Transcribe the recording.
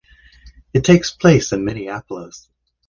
It takes place in Minneapolis.